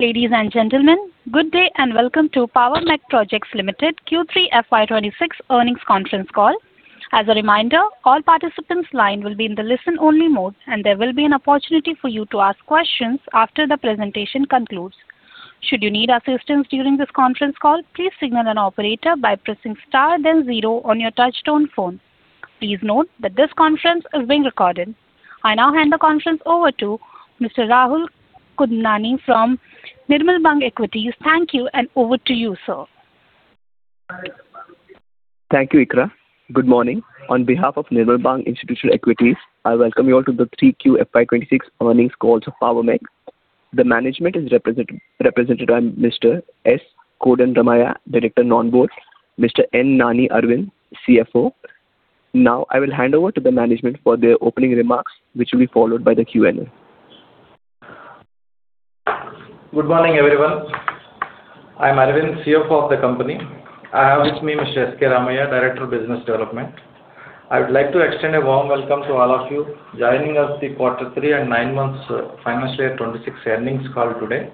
Ladies and gentlemen, good day, and welcome to Power Mech Projects Limited Q3 FY 2026 earnings conference call. As a reminder, all participants' line will be in the listen-only mode, and there will be an opportunity for you to ask questions after the presentation concludes. Should you need assistance during this conference call, please signal an operator by pressing star, then zero on your touch-tone phone. Please note that this conference is being recorded. I now hand the conference over to Mr. Rahul Kundnani from Nirmal Bang Equities. Thank you, and over to you, sir. Thank you, Ikra. Good morning. On behalf of Nirmal Bang Institutional Equities, I welcome you all to the 3Q FY 2026 earnings call of Power Mech. The management is represented by Mr. S. Kodandaramaiah, Director on Board, Mr. N. Nani Arvind, CFO. Now, I will hand over to the management for their opening remarks, which will be followed by the Q&A. Good morning, everyone. I'm Arvind, CFO of the company. I have with me Mr. S. Kodandaramaiah, Director of Business Development. I would like to extend a warm welcome to all of you joining us the quarter three and nine months, financial year 2026 earnings call today.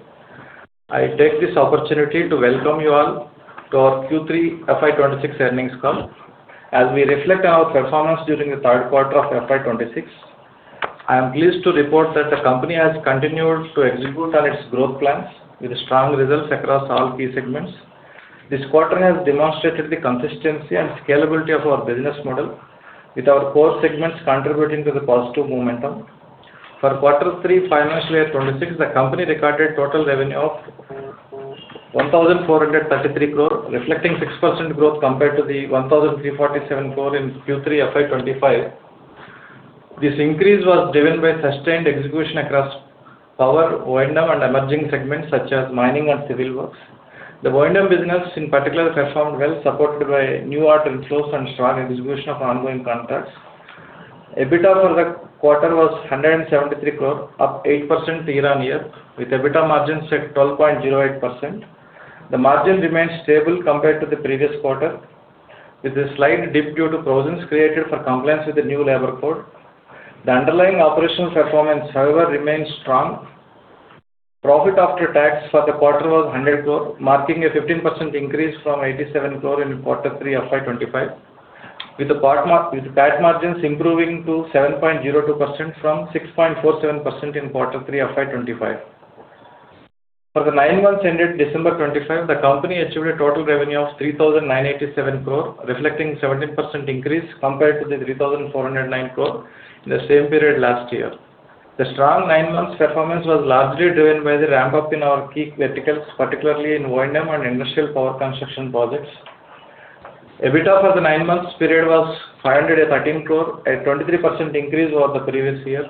I take this opportunity to welcome you all to our Q3 FY 2026 earnings call. As we reflect on our performance during the third quarter of FY 2026, I am pleased to report that the company has continued to execute on its growth plans with strong results across all key segments. This quarter has demonstrated the consistency and scalability of our business model, with our core segments contributing to the positive momentum. For Q3 FY 2026, the company recorded total revenue of 1,433 crore, reflecting 6% growth compared to the 1,347 crore in Q3 FY 2025. This increase was driven by sustained execution across power, O&M, and emerging segments such as mining and civil works. The O&M business, in particular, performed well, supported by new order inflows and strong execution of ongoing contracts. EBITDA for the quarter was 173 crore, up 8% year-on-year, with EBITDA margins at 12.08%. The margin remains stable compared to the previous quarter, with a slight dip due to provisions created for compliance with the new labor code. The underlying operational performance, however, remains strong. Profit after tax for the quarter was 100 crore, marking a 15% increase from 87 crore in quarter three FY 2025, with PAT margins improving to 7.02% from 6.47% in quarter three FY 2025. For the nine months ended December 2025, the company achieved a total revenue of 3,987 crore, reflecting 17% increase compared to 3,409 crore in the same period last year. The strong nine months performance was largely driven by the ramp-up in our key verticals, particularly in O&M and industrial power construction projects. EBITDA for the nine months period was 513 crore, a 23% increase over the previous year,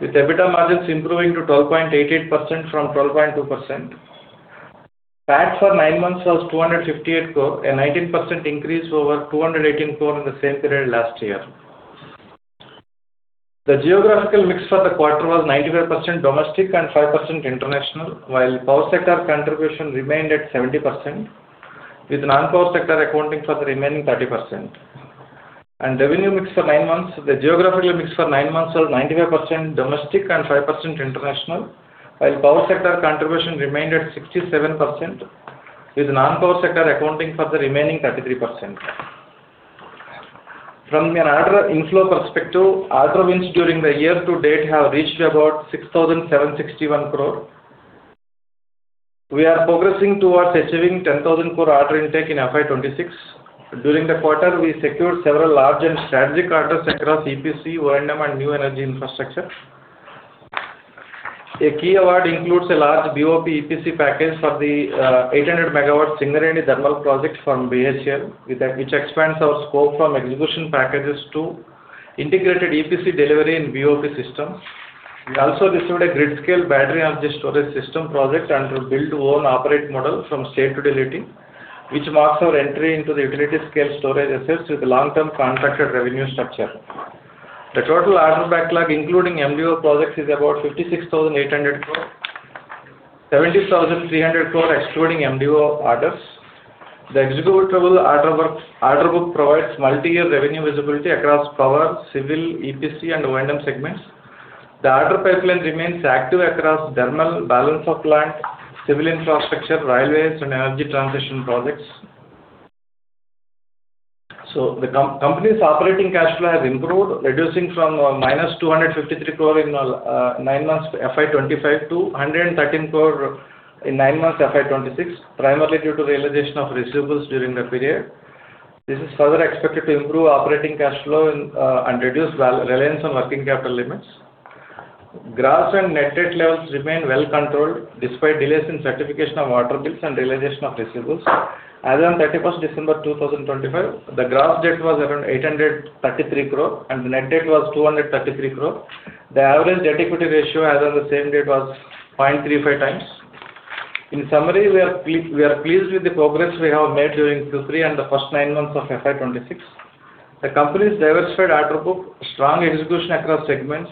with EBITDA margins improving to 12.88% from 12.2%. PAT for nine months was 258 crore, a 19% increase over 218 crore in the same period last year. The geographical mix for the quarter was 95% domestic and 5% international, while power sector contribution remained at 70%, with non-power sector accounting for the remaining 30%. Revenue mix for nine months, the geographical mix for nine months was 95% domestic and 5% international, while power sector contribution remained at 67%, with non-power sector accounting for the remaining 33%. From an order inflow perspective, order wins during the year to date have reached about 6,761 crore. We are progressing towards achieving 10,000 crore order intake in FY 2026. During the quarter, we secured several large and strategic orders across EPC, O&M, and new energy infrastructure. A key award includes a large BOP EPC package for the 800 MW Singareni thermal project from BHEL, with that, which expands our scope from execution packages to integrated EPC delivery and BOP systems. We also received a grid-scale battery energy storage system project under build-own-operate model from State Utility, which marks our entry into the utility scale storage assets with a long-term contracted revenue structure. The total order backlog, including MDO projects, is about 56,800 crore, 70,300 crore, excluding MDO orders. The executable order work-order book provides multi-year revenue visibility across power, civil, EPC, and O&M segments. The order pipeline remains active across thermal, balance of plant, civil infrastructure, railways, and energy transition projects. So the company's operating cash flow has improved, reducing from -253 crore in nine months FY 2025 to 113 crore in nine months FY 2026, primarily due to realization of receivables during the period. This is further expected to improve operating cash flow and reduce reliance on working capital limits. Gross and net debt levels remain well controlled despite delays in certification of order books and realization of receivables. As on 31st December 2025, the gross debt was around 833 crore, and the net debt was 233 crore. The average debt equity ratio, as on the same date, was 0.35x. In summary, we are pleased with the progress we have made during Q3 and the first nine months of FY 2026. The company's diversified order book, strong execution across segments,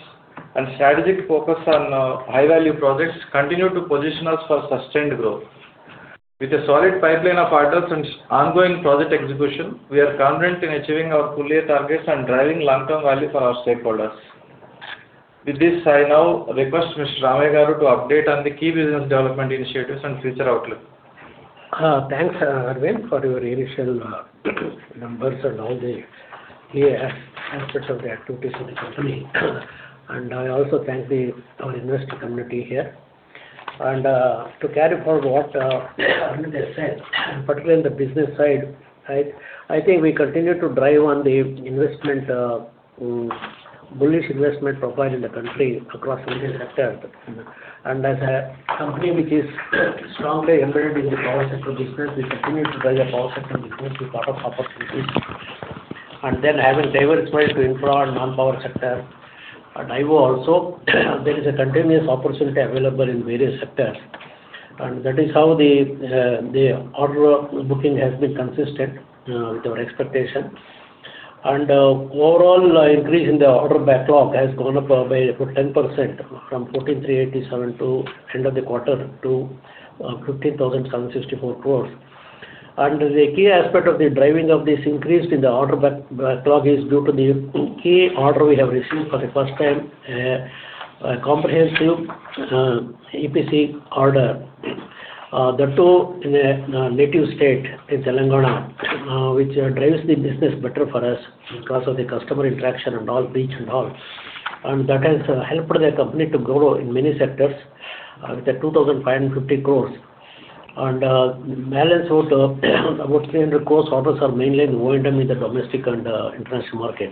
and strategic focus on high-value projects continue to position us for sustained growth. With a solid pipeline of orders and ongoing project execution, we are confident in achieving our full year targets and driving long-term value for our stakeholders. With this, I now request Mr. Ramaiah Garu to update on the key business development initiatives and future outlook. Thanks, Arvind, for your initial numbers and all the key aspects of the activities in the company. I also thank our investor community here. To carry forward what Arvind has said, particularly on the business side, right? I think we continue to drive on the investment, bullish investment profile in the country across various sectors. As a company which is strongly embedded in the power sector business, we continue to drive the power sector business with lot of opportunities. Then having diversified to infra and non-power sector, there is a continuous opportunity available in various sectors, and that is how the order of booking has been consistent with our expectation. Overall, increase in the order backlog has gone up by about 10%, from 14,387 crore to end of the quarter, to 15,764 crore. The key aspect of the driving of this increase in the order backlog is due to the key order we have received for the first time, a comprehensive EPC order. The 2 in a native state, in Telangana, which drives the business better for us because of the customer interaction and all, reach and all. And that has helped the company to grow in many sectors, with a 2,550 crore. And balance out, about 300 crore orders are mainly in O&M in the domestic and international market.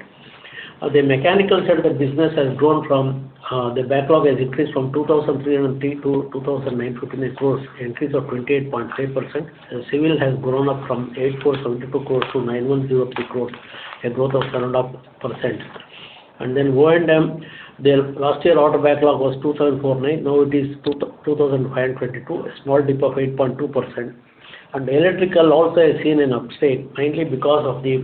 The mechanical side of the business has grown from the backlog has increased from 2,300 crore to 2,915 crore, increase of 28.5%. Civil has grown up from 8,472 crore to 9,103 crore, a growth of 7.5%. And then O&M, their last year order backlog was 2,049 crore, now it is 2,522 crore, a small dip of 8.2%. And electrical also has seen an upswing, mainly because of the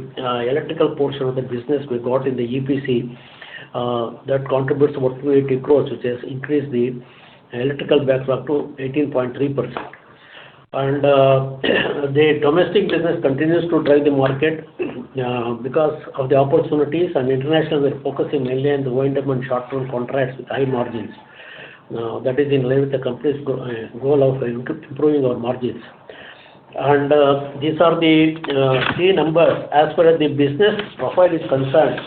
electrical portion of the business we got in the EPC. That contributes about INR 80 crore, which has increased the electrical backlog to 18.3%. The domestic business continues to drive the market because of the opportunities, and international, we're focusing mainly on the O&M and short-term contracts with high margins. That is in line with the company's goal of improving our margins. These are the key numbers as per the business profile is concerned.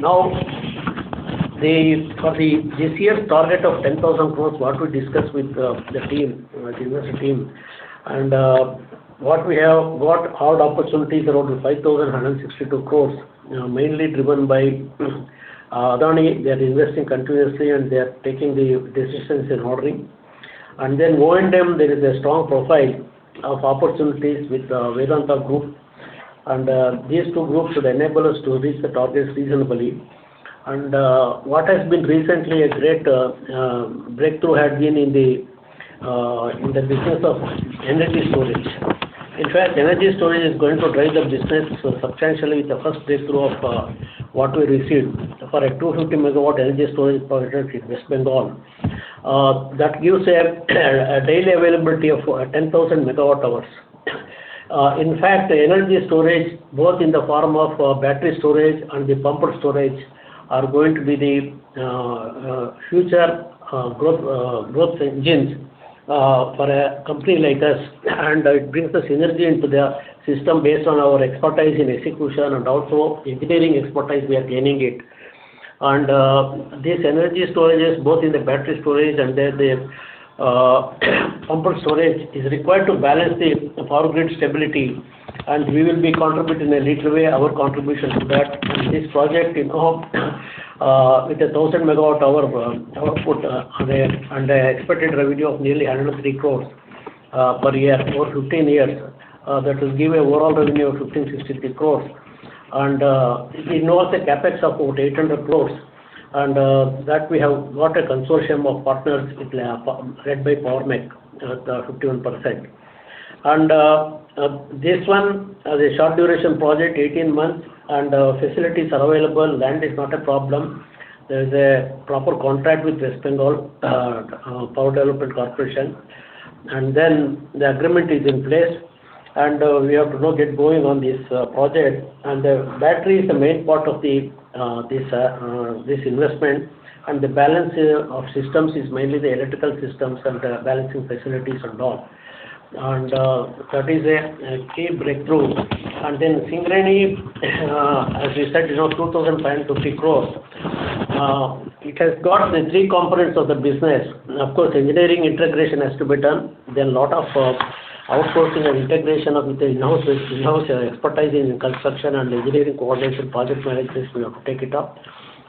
Now, for this year's target of 10,000 crore, what we discuss with the team, the investor team, and what we have got all the opportunities around the 5,162 crore, mainly driven by Adani. They are investing continuously, and they are taking the decisions in ordering. Then O&M, there is a strong profile of opportunities with Vedanta Group. These two groups should enable us to reach the targets reasonably. And what has been recently a great breakthrough has been in the business of energy storage. In fact, energy storage is going to drive the business substantially, the first breakthrough of what we received for a 250 MW energy storage project in West Bengal. That gives a daily availability of 10,000 MWh. In fact, the energy storage, both in the form of battery storage and the pumped storage, are going to be the future growth engines for a company like us. And it brings the synergy into the system based on our expertise in execution and also engineering expertise we are gaining. These energy storages, both in the battery storage and then the pumped storage, are required to balance the power grid stability, and we will be contributing a little way, our contribution to that. This project involves a 1,000 MWh output, and an expected revenue of nearly 103 crore per year, over 15 years. That will give an overall revenue of 1,563 crore. It involves a CapEx of about 800 crore, and that we have got a consortium of partners with, led by Power Mech, 51%. This one, the short duration project, 18 months, and facilities are available, land is not a problem. There is a proper contract with West Bengal Power Development Corporation. Then the agreement is in place, and we have to now get going on this project. And the battery is the main part of this this investment, and the balance of systems is mainly the electrical systems and the balancing facilities and all. And that is a key breakthrough. And then Singareni, as we said, you know, 2,550 crore, it has got the three components of the business. Of course, engineering integration has to be done. There are a lot of outsourcing and integration of with the in-house expertise in construction and engineering coordination, project management, we have to take it up.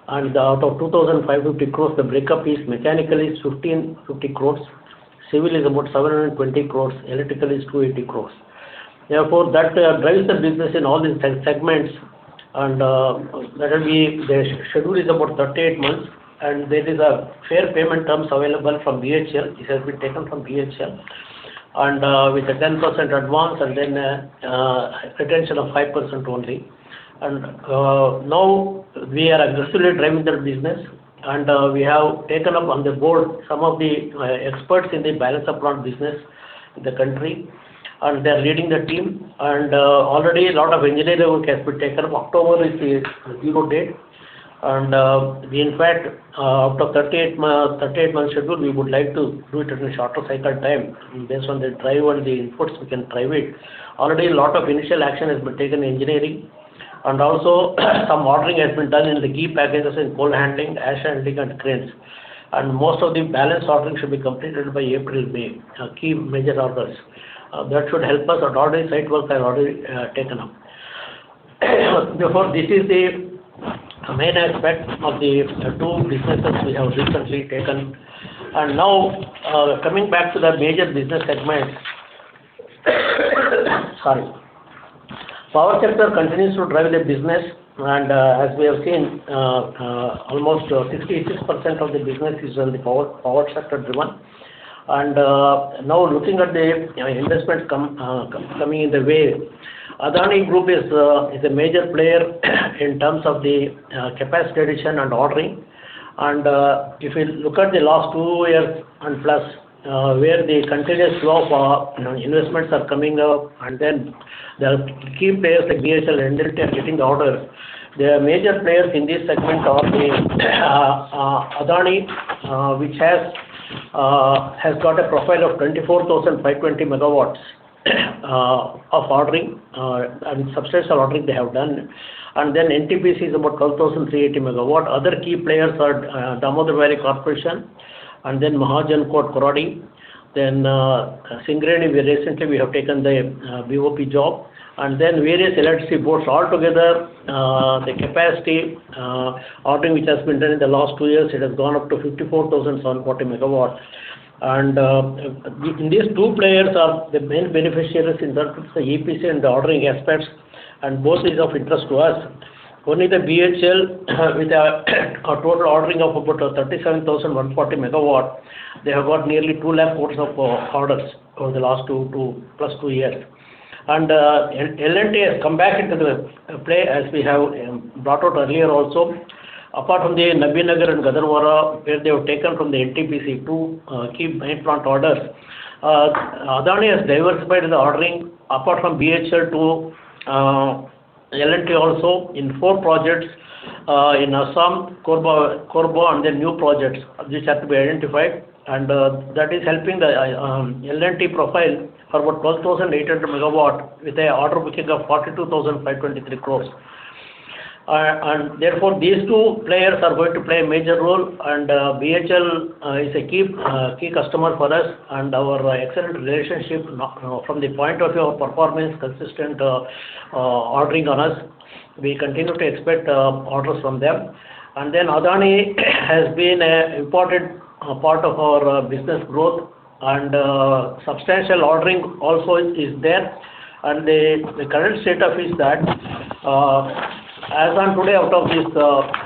And out of 2,550 crore, the breakup is mechanically is 1,550 crore, civil is about 720 crore, electrical is 280 crore. Therefore, that drives the business in all these segments, and that will be. The schedule is about 38 months, and there is a fair payment terms available from BHEL. This has been taken from BHEL, and with a 10% advance, and then a retention of 5% only. And now we are aggressively driving their business, and we have taken up on the board some of the experts in the balance of plant business in the country, and they're leading the team. And already a lot of engineering work has been taken up. October is the zero date, and we in fact, out of 38 month, 38 month schedule, we would like to do it at a shorter cycle time. Based on the drive and the inputs, we can drive it. Already a lot of initial action has been taken in engineering, and also some ordering has been done in the key packages in coal handling, ash handling, and cranes. Most of the balance ordering should be completed by April, May, key major orders. That should help us, and already site work have already taken up. Therefore, this is the main aspect of the two businesses we have recently taken. Now coming back to the major business segments, sorry. Power sector continues to drive the business, and as we have seen almost 66% of the business is in the power, power sector driven. Now looking at the you know investments coming in the way, Adani Group is a major player in terms of the capacity addition and ordering. If you look at the last two years and plus, where the continuous flow of, you know, investments are coming up, and then the key players like BHEL and L&T are getting the order. The major players in this segment are the, Adani, which has, has got a profile of 24,520 MW of ordering, and substantial ordering they have done. And then NTPC is about 12,300 MW. Other key players are, Damodar Valley Corporation, and then Mahan, Koradi, then, Singrauli, where recently we have taken the, BOP job, and then various electricity boards. Altogether, the capacity, ordering, which has been done in the last two years, it has gone up to 54,740 MW. These two players are the main beneficiaries in terms of the EPC and the ordering aspects, and both is of interest to us. Only the BHEL, with a total ordering of about 37,140 MW, they have got nearly 200,000 crore of orders over the last two plus two years. L&T has come back into the play, as we have brought out earlier also. Apart from the Nabinagar and Gadarwara, where they have taken from the NTPC two key main plant orders. Adani has diversified the ordering, apart from BHEL to L&T also in four projects in Assam, Korba, Korba, and then new projects which are to be identified. That is helping the L&T profile for about 12,800 MW, with a order booking of 42,523 crore. Therefore, these two players are going to play a major role, and BHEL is a key customer for us, and our excellent relationship from the point of view of performance, consistent ordering on us, we continue to expect orders from them. And then Adani has been an important part of our business growth, and substantial ordering also is there. The current status is that, as on today, out of this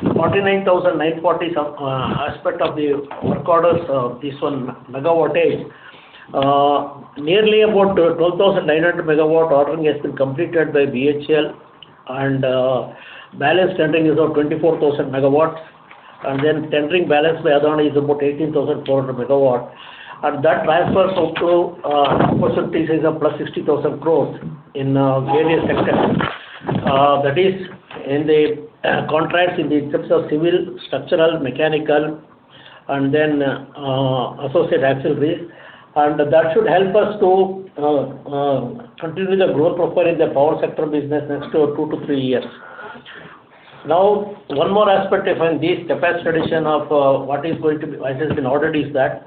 49,940-some aspect of the work orders, this 1,000 MW, nearly about 12,900 MW ordering has been completed by BHEL, and balance tendering is of 24,000 MW. And then tendering balance by Adani is about 18,400 MW, and that transfers up to opportunities of +60,000 crore in various sectors. That is in the contracts in the terms of civil, structural, mechanical, and then associate auxiliaries. And that should help us to continue the growth profile in the power sector business next two to three years. Now, one more aspect, if in this capacity addition of what is going to be, what has been ordered is that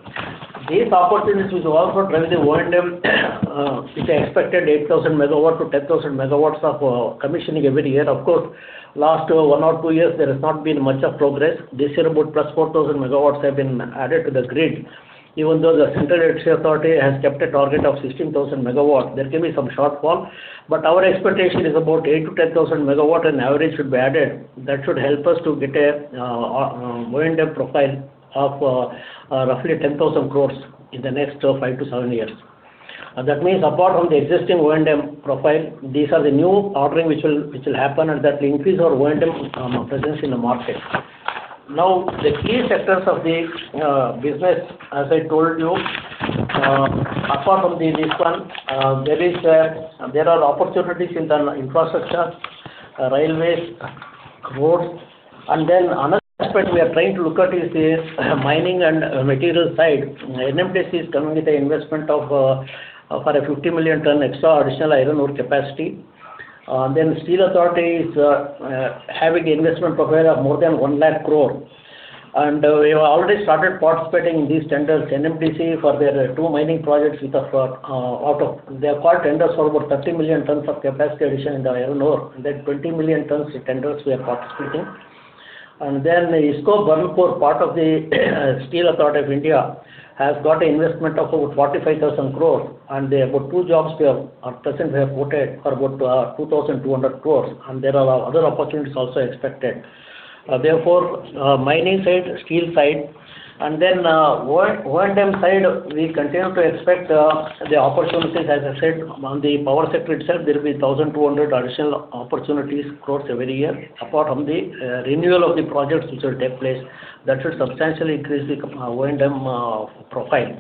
these opportunities will also drive the O&M, which I expected 8,000-10,000 MW of commissioning every year. Of course, last one or two years, there has not been much of progress. This year, about +4,000 MW have been added to the grid. Even though the Central Electricity Authority has kept a target of 16,000 MW, there can be some shortfall, but our expectation is about 8,000 MW-10,000 MW on average should be added. That should help us to get a O&M profile of roughly 10,000 crore in the next 5-7 years. That means apart from the existing O&M profile, these are the new ordering, which will, which will happen, and that will increase our O&M presence in the market. Now, the key sectors of the business, as I told you, apart from this one, there are opportunities in the infrastructure, railways, roads. And then another aspect we are trying to look at is the mining and material side. NMDC is coming with an investment of for a 50 million ton extra additional iron ore capacity. Then Steel Authority is having investment profile of more than 100,000 crore. We have already started participating in these tenders, NMDC, for their two mining projects. They have called tenders for about 30 million tons of capacity addition in the iron ore, then 20 million tons tenders we are participating. And then IISCO Burnpur, part of the Steel Authority of India, has got an investment of about 45,000 crore, and there are about two jobs we have. At present we have quoted for about 2,200 crore, and there are other opportunities also expected. Therefore, on the mining side, steel side, and then O&M side, we continue to expect the opportunities. As I said, on the power sector itself, there will be 1,200 additional opportunities across every year, apart from the renewal of the projects which will take place. That should substantially increase the O&M profile.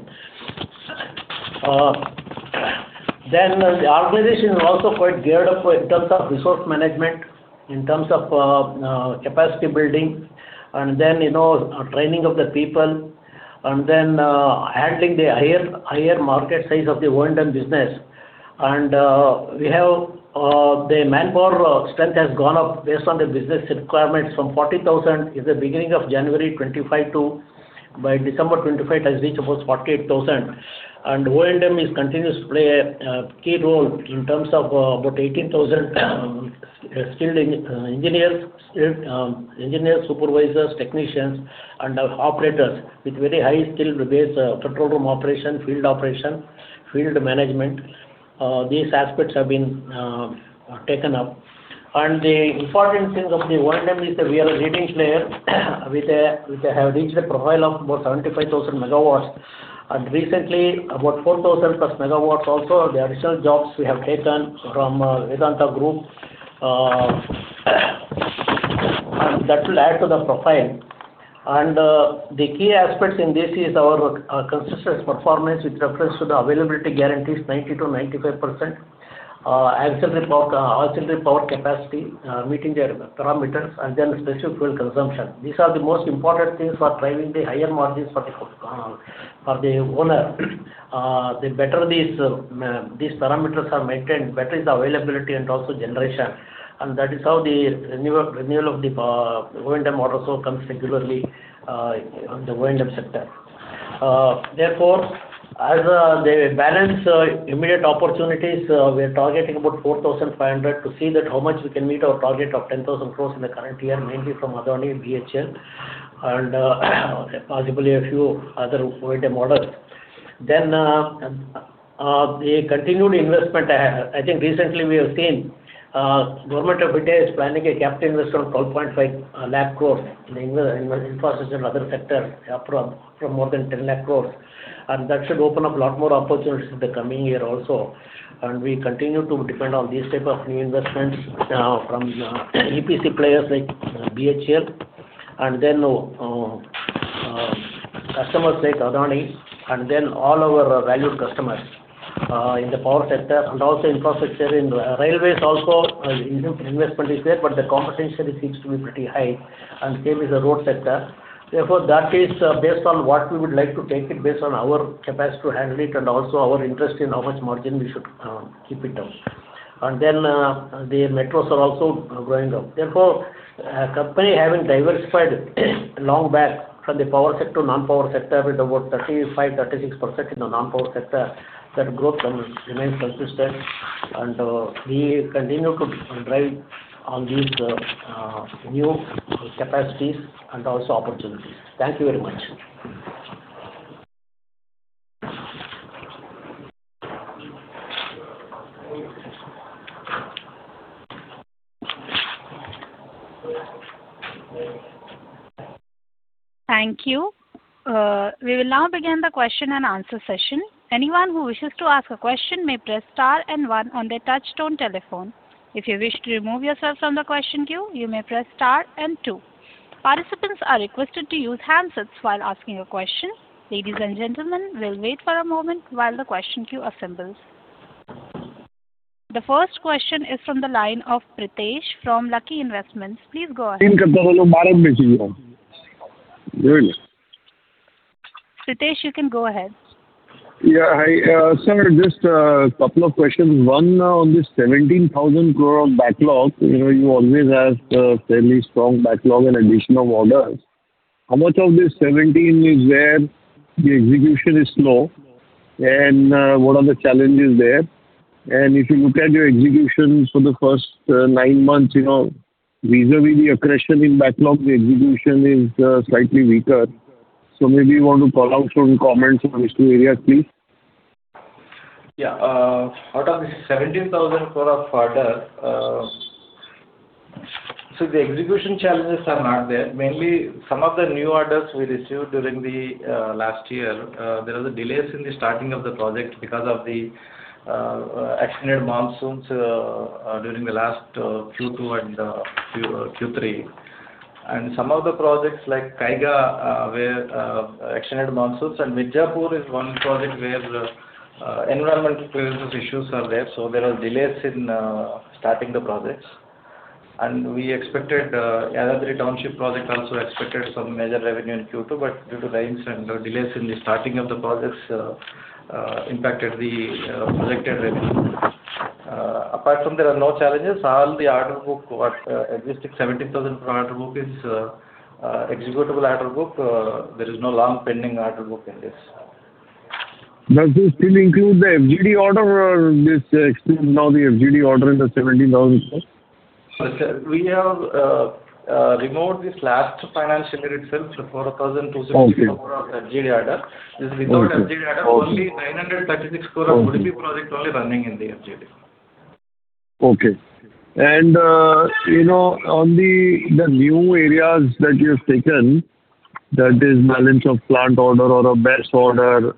Then the organization is also quite geared up in terms of resource management, in terms of capacity building, and then, you know, training of the people, and then handling the higher market size of the O&M business. And we have the manpower strength has gone up based on the business requirements from 40,000 in the beginning of January 2025 to, by December 2025, it has reached almost 48,000. And O&M continues to play a key role in terms of about 18,000 skilled engineers, supervisors, technicians, and operators with very high skill-based control room operation, field operation, field management. These aspects have been taken up. The important things of the O&M is that we are a leading player, with a we have reached a profile of about 75,000 MW. And recently, about 4,000+ MW also, the additional jobs we have taken from Vedanta Group, and that will add to the profile. And the key aspects in this is our consistent performance with reference to the availability guarantees, 90%-95%, auxiliary power, auxiliary power capacity, meeting their parameters, and then specific fuel consumption. These are the most important things for driving the higher margins for the owner. The better these parameters are maintained, better is the availability and also generation, and that is how the renewal of the O&M order also comes regularly in the O&M sector. Therefore, as the balance immediate opportunities, we are targeting about 4,500 crore to see that how much we can meet our target of 10,000 crore in the current year, mainly from Adani, BHEL, and possibly a few other O&M orders. Then, the continued investment, I think recently we have seen, Government of India is planning a capital investment of 1,250,000 crore in the infrastructure and other sectors, up from more than 1,000,000 crore. And that should open up a lot more opportunities in the coming year also. We continue to depend on these type of new investments from EPC players like BHEL, and then customers like Adani, and then all our valued customers in the power sector and also infrastructure in railways also. Investment is there, but the competition seems to be pretty high, and same is the road sector. Therefore, that is based on what we would like to take it, based on our capacity to handle it, and also our interest in how much margin we should keep it up. Then, the metros are also growing up. Therefore, company having diversified long back from the power sector to non-power sector, with about 35%-36% in the non-power sector, that growth remains consistent. We continue to drive on these new capacities and also opportunities. Thank you very much. Thank you. We will now begin the question and answer session. Anyone who wishes to ask a question may press star and one on their touch-tone telephone. If you wish to remove yourself from the question queue, you may press star and two. Participants are requested to use handsets while asking a question. Ladies and gentlemen, we'll wait for a moment while the question queue assembles. The first question is from the line of Pritesh from Lucky Investments. Please go ahead. Pritesh, you can go ahead. Yeah, hi. Sir, just a couple of questions. One, on this 17,000 crore backlog, you know, you always have a fairly strong backlog and additional orders. How much of this 17,000 crore is where the execution is slow, and, what are the challenges there? And if you look at your execution for the first nine months, you know, vis-à-vis the accretion in backlog, the execution is slightly weaker. So maybe you want to call out some comments on these two areas, please. Yeah, out of the 17,000 crore order book, so the execution challenges are not there. Mainly, some of the new orders we received during the last year, there were delays in the starting of the project because of the extended monsoons during the last Q2 and Q3. And some of the projects like Kaiga, where extended monsoons, and Vijayapur is one project where environmental clearance issues are there, so there are delays in starting the projects. And we expected Yadadri township project also expected some major revenue in Q2, but due to rains and delays in the starting of the projects, impacted the projected revenue. Apart from there are no challenges, all the order book, what existing 17,000 crore order book is executable order book. There is no long-pending order book in this. Does this still include the MDO order, or this excludes now the MDO order in the 17,000 crore? Sir, we have removed this last financial year itself for 1,260. Okay. Crore of MDO order. Okay. This is without MDO order. Okay. Only 936 crore of GDP project only running in the MDO. Okay. And, you know, on the, the new areas that you've taken, that is Balance of Plant order or a BESS order,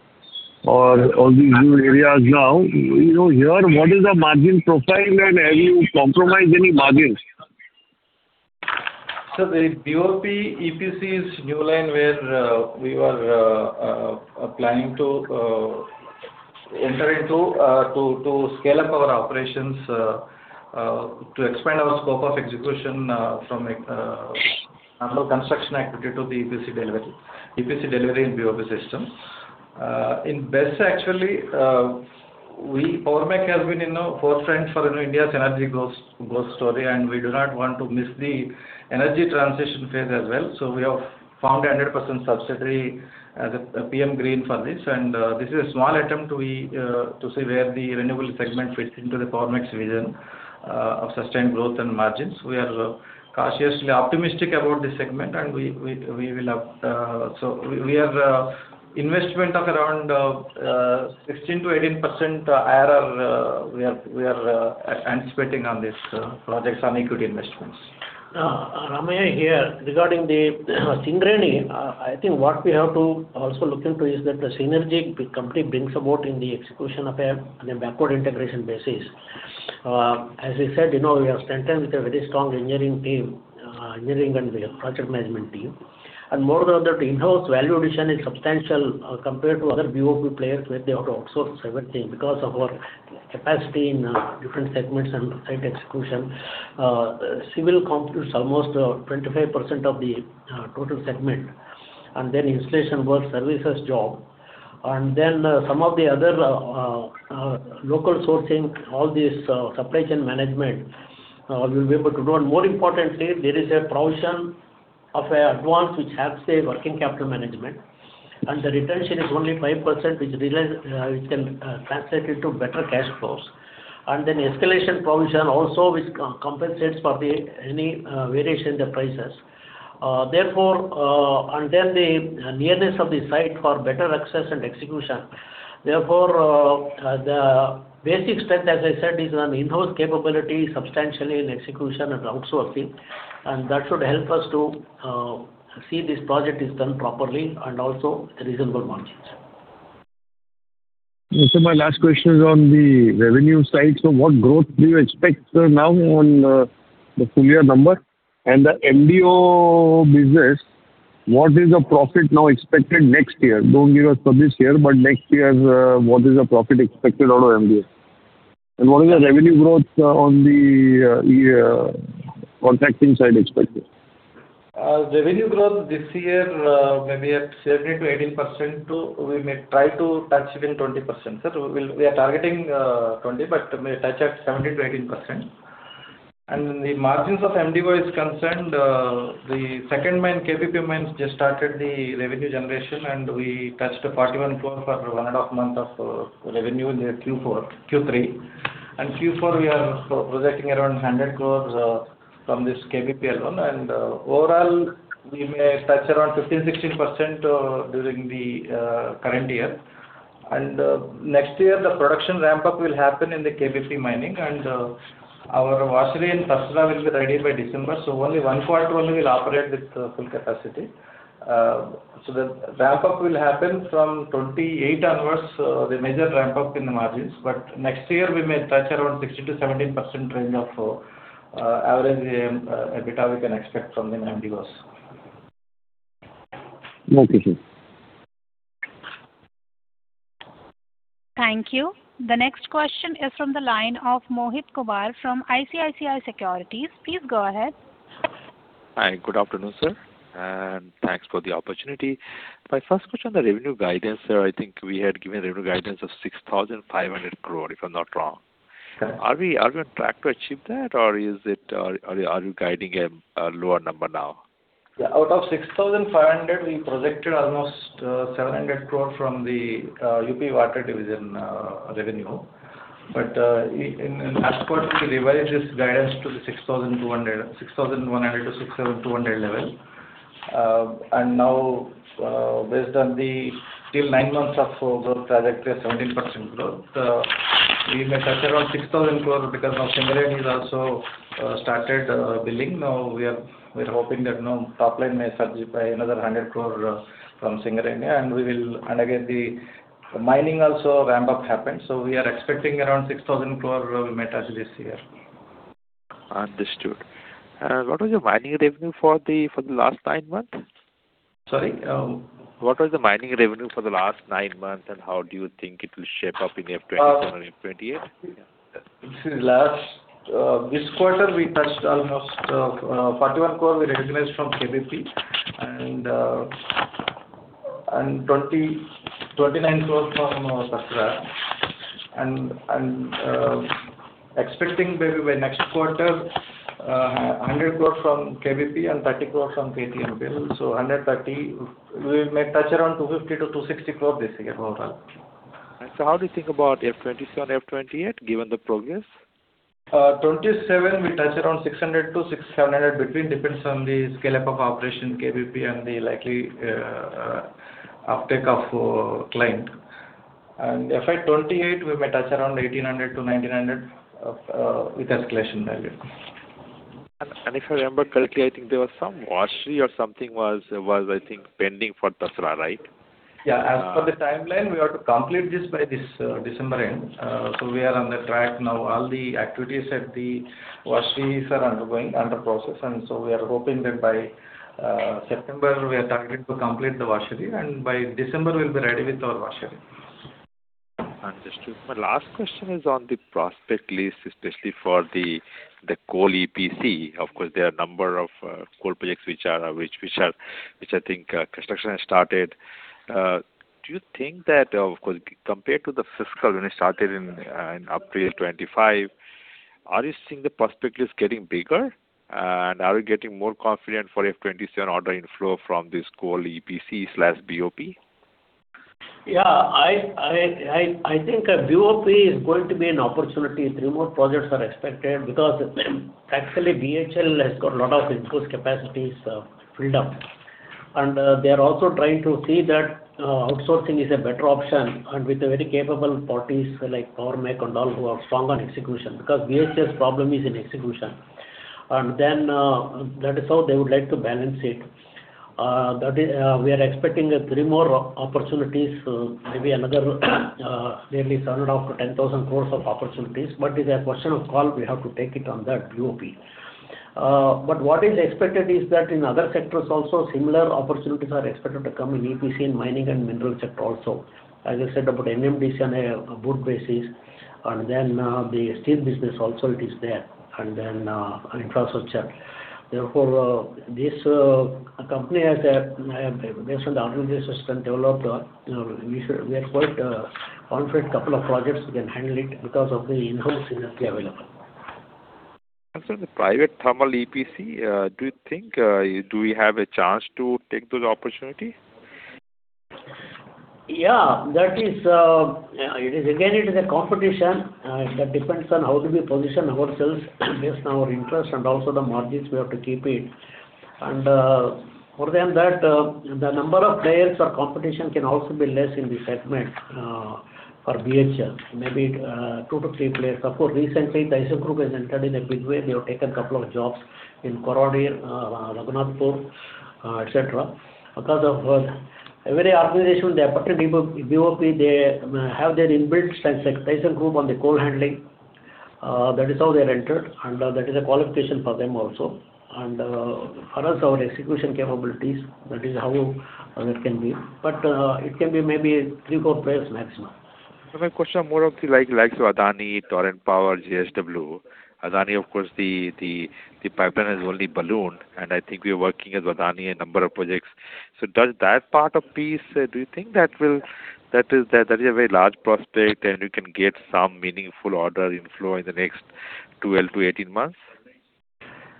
or all the new areas now, you know, here, what is the margin profile, and have you compromised any margins? Sir, the BOP EPC is new line where we were planning to enter into to scale up our operations to expand our scope of execution from under construction activity to the EPC delivery, EPC delivery in BOP system. In BESS, actually, we, Power Mech has been in the forefront for India's energy growth story, and we do not want to miss the energy transition phase as well. So we have found a 100% subsidiary as a PM Green for this, and this is a small attempt we to see where the renewable segment fits into the Power Mech's vision of sustained growth and margins. We are cautiously optimistic about this segment, and we will have. So we are investment of around 16%-18% IRR. We are anticipating on this projects on equity investments. Ramaiah here. Regarding the Singareni, I think what we have to also look into is that the synergy the company brings about in the execution of a, on a backward integration basis. As I said, you know, we are strengthened with a very strong engineering team, engineering and project management team. And more than that, the in-house value addition is substantial, compared to other BOP players, where they have to outsource everything. Because of our capacity in, different segments and site execution, civil comp is almost, 25% of the, total segment, and then installation work, services job. And then, some of the other, local sourcing, all these, supply chain management, we'll be able to do. More importantly, there is a provision of a advance which helps a working capital management, and the retention is only 5%, which relies, which can translate into better cash flows. And then escalation provision also, which co-compensates for the any variation in the prices. Therefore, and then the nearness of the site for better access and execution. Therefore, the basic strength, as I said, is on in-house capability, substantially in execution and outsourcing, and that should help us to see this project is done properly and also reasonable margins. So my last question is on the revenue side. So what growth do you expect now on, the full year number? And the MDO business, what is the profit now expected next year? Don't give us for this year, but next year, what is the profit expected out of MDO? And what is the revenue growth, on the, contracting side expected? Revenue growth this year, maybe at 17%-18%. We may try to touch even 20%, sir. We are targeting 20%, but may touch at 17%-18%. And the margins of MDO is concerned, the second mine, KBP Mines, just started the revenue generation, and we touched 41 crore for one and a half month of revenue in the Q3. And Q4, we are projecting around 100 crore from this KBP alone. And, overall, we may touch around 15%-16% during the current year. And, next year, the production ramp-up will happen in the KBP mining, and our washery and Parsa will be ready by December, so only one quarter only we'll operate with full capacity. The ramp-up will happen from 2028 onwards, the major ramp-up in the margins, but next year we may touch around 16%-17% range of average EBITDA we can expect from the MDOs. Thank you, sir. Thank you. The next question is from the line of Mohit Kumar from ICICI Securities. Please go ahead. Hi, good afternoon, sir, and thanks for the opportunity. My first question, the revenue guidance, sir, I think we had given revenue guidance of 6,500 crore, if I'm not wrong. Correct. Are we on track to achieve that, or is it, are you guiding a lower number now? Yeah. Out of 6,500 crore, we projected almost 700 crore from the UP water division revenue. But in as per to revise this guidance to the 6,200 crore, 6,100 crore-6,200 crore level. And now, based on the still nine months of growth trajectory, 17% growth, we may touch around 6,000 crore because now Singareni has also started billing. Now we are, we're hoping that now top line may surge by another 100 crore from Singareni, and we will. And again, the mining also ramp up happened, so we are expecting around 6,000 crore we may touch this year. Understood. What was your mining revenue for the last nine months? Sorry? Um. What was the mining revenue for the last nine months, and how do you think it will shape up in FY 2027 and FY 2028? This is last quarter, we touched almost 41 crore we recognized from KBP, and 29 crores from Parsa. Expecting maybe by next quarter, 100 crore from KBP and 30 crore from [KTPMP]. So 130, we may touch around 250 crore-260 crore this year overall. How do you think about F 2027, F 2028, given the progress? 2027, we touch around 600-700 between, depends on the scale up of operation, KBP, and the likely uptake of client. And FY 2028, we may touch around 1,800-1,900 with escalation value. If I remember correctly, I think there was some washery or something was, I think, pending for Tasra, right? Yeah. As for the timeline, we have to complete this by this December end. So we are on the track now. All the activities at the washeries are undergoing under process, and so we are hoping that by September, we are targeted to complete the washery, and by December, we'll be ready with our washery. Understood. My last question is on the prospect list, especially for the coal EPC. Of course, there are a number of coal projects which are, I think, construction has started. Do you think that, of course, compared to the fiscal when it started in April 2025, are you seeing the prospect list getting bigger? And are you getting more confident for FY 2027 order inflow from this coal EPC/BOP? Yeah, I think, BOP is going to be an opportunity. Three more projects are expected, because actually, BHEL has got a lot of in-house capacities, filled up. And, they are also trying to see that, outsourcing is a better option, and with the very capable parties like Power Mech and all, who are strong on execution. Because BHEL's problem is in execution, and then, that is how they would like to balance it. That is, we are expecting, three more opportunities, maybe another, nearly 7,500 crore-10,000 crore of opportunities, but it's a question of call, we have to take it on that BOP. But what is expected is that in other sectors also, similar opportunities are expected to come in EPC, in mining and mineral sector also. As I said, about MDO is on a good basis, and then, the steel business also it is there, and then, infrastructure. Therefore, this company has a base on the order basis can develop, you know, we are quite confident couple of projects we can handle it because of the in-house synergy available. The private thermal EPC, do you think, do we have a chance to take those opportunity? Yeah, that is, it is again, it is a competition, that depends on how do we position ourselves based on our interest and also the margins we have to keep it. And, more than that, the number of players or competition can also be less in this segment, for BHEL, maybe, two to three players. Of course, recently, the thyssenkrupp has entered in a big way. They have taken a couple of jobs in Koradi, Raghunathpur, et cetera. Because of, every organization, they approach the BOP, they, have their inbuilt strength like thyssenkrupp on the coal handling. That is how they are entered, and, that is a qualification for them also. And, for us, our execution capabilities, that is how, it can be. But, it can be maybe three, four players maximum. So my question are more of the likes of Adani, Torrent Power, JSW. Adani, of course, the pipeline has only ballooned, and I think we are working with Adani in number of projects. So does that part of piece, do you think that is a very large prospect, and you can get some meaningful order inflow in the next 12-18 months?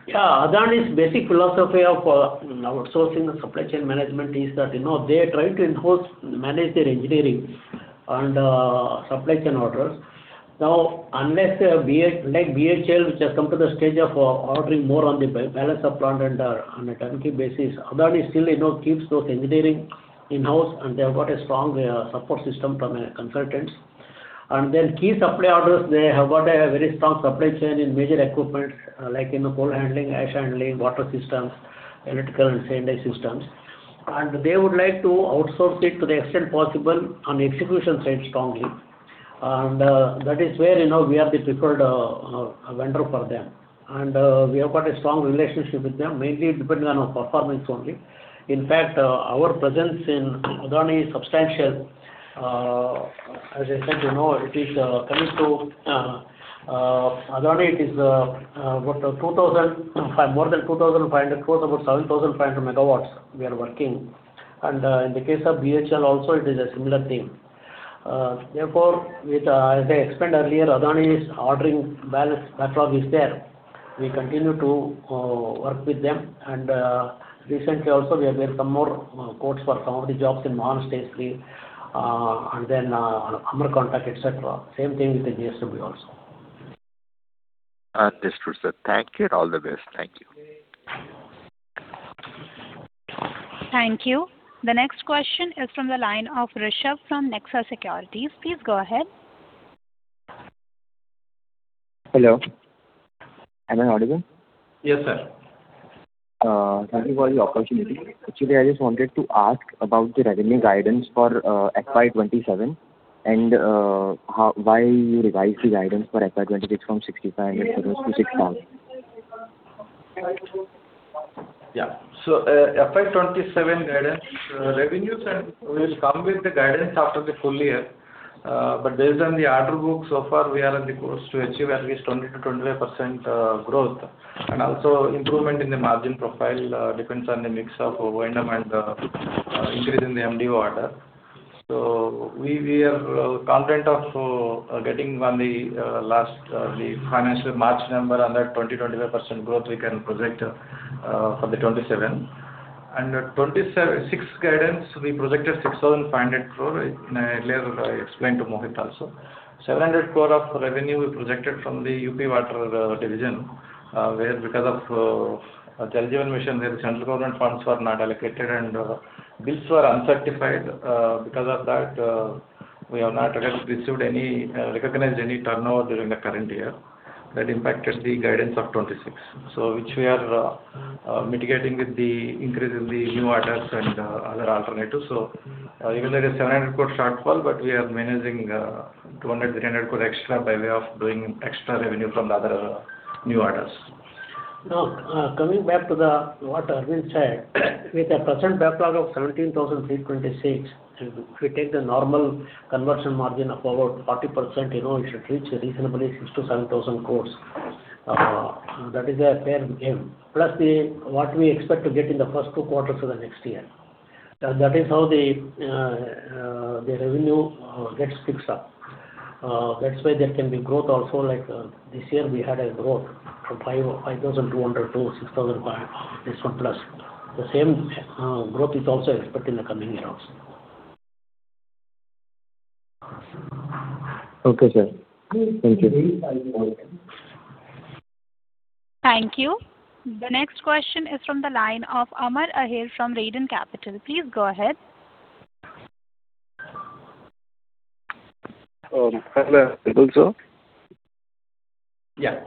Yeah. Adani's basic philosophy of outsourcing the supply chain management is that, you know, they try to in-house manage their engineering and supply chain orders. Now, unless BHEL, like BHEL, which has come to the stage of ordering more on the balance of plant and on a turnkey basis, Adani still, you know, keeps those engineering in-house, and they have got a strong support system from consultants. And then key supply orders, they have got a very strong supply chain in major equipment like in the coal handling, ash handling, water systems, electrical and sanitary systems. And they would like to outsource it to the extent possible on the execution side, strongly. And that is where, you know, we are the preferred vendor for them. We have got a strong relationship with them, mainly depending on our performance only. In fact, our presence in Adani is substantial. As I said, you know, it is coming to Adani, it is more than 2,500 MW, close about 7,500 MW we are working. And, in the case of BHEL also, it is a similar theme. Therefore, as I explained earlier, Adani's ordering balance backlog is there. We continue to work with them. And, recently also, we have made some more quotes for some of the jobs in Mahan STPS, and then Amarkantak, et cetera. Same thing with the JSW also. Understood, sir. Thank you and all the best. Thank you. Thank you. The next question is from the line of Rishab from Nexus Securities. Please go ahead. Hello, am I audible? Yes, sir. Thank you for the opportunity. Actually, I just wanted to ask about the revenue guidance for FY 2027, and how, why you revised the guidance for FY 2026 from 65 to 6 months? Yeah. So, FY 2027 guidance, revenues and we'll come with the guidance after the full year. But based on the order book, so far, we are on the course to achieve at least 20%-25% growth. And also improvement in the margin profile depends on the mix of random and increase in the MDO order. So we are confident of getting on the last, the financial March number, on that 20%-25% growth we can project for the 2027. And at 2026 guidance, we projected 6,500 crore, as I earlier explained to Mohit also. 700 crore of revenue we projected from the UP water division, where because of Jal Jeevan Mission, where the central government funds were not allocated and bills were uncertified, because of that, we have not received any, recognized any turnover during the current year. That impacted the guidance of 2026. So which we are mitigating with the increase in the new orders and other alternatives. So even there is 700 crore shortfall, but we are managing 200 crore-300 crore extra by way of doing extra revenue from the other new orders. Now, coming back to what Arvind said, with the present backlog of 17,326 crore, if we take the normal conversion margin of about 40%, you know, it should reach reasonably 6,000 crore-7,000 crore. That is a fair game, plus what we expect to get in the first two quarters of the next year. And that is how the revenue gets fixed up. That's why there can be growth also, like, this year we had a growth from 5,500 to 6,500+. The same growth is also expected in the coming year also. Okay, sir. Thank you. Thank you. The next question is from the line of Amar Ahir from Radian Capital. Please go ahead. Hello, sir. Yeah.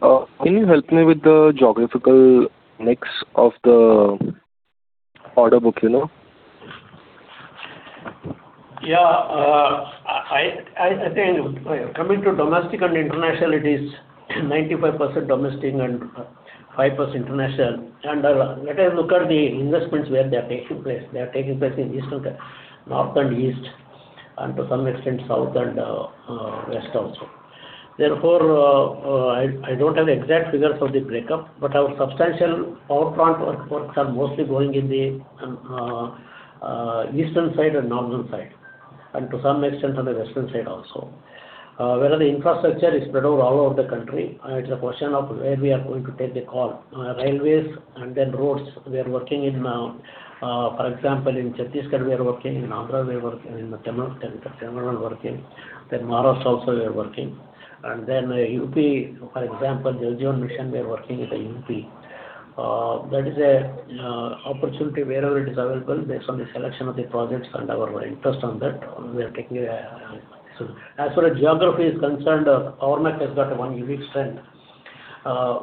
Can you help me with the geographical mix of the order book, you know? Yeah, I think, coming to domestic and international, it is 95% domestic and 5% international. Let us look at the investments where they are taking place. They are taking place in North and east, and to some extent, south and west also. Therefore, I don't have the exact figures for the breakup, but our substantial power plant works are mostly going in the eastern side and northern side, and to some extent, on the western side also. Where the infrastructure is spread all over the country, it's a question of where we are going to take the call. Railways and then roads, we are working in, for example, in Chhattisgarh, we are working, in Andhra, we are working, in Tamil Nadu, we're working, then Maharashtra also, we are working. And then, UP, for example, Jal Jeevan Mission, we are working in the UP. That is an opportunity wherever it is available, based on the selection of the projects and our interest on that, we are taking it. As far as geography is concerned, Power Mech has got one unique strength.